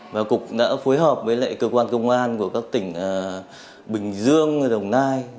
và cục đã phối hợp với lại cơ quan công an của các tỉnh bình dương đồng nai